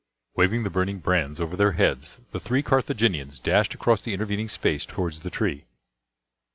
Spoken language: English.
Waving the burning brands over their heads, the three Carthaginians dashed across the intervening space towards the tree.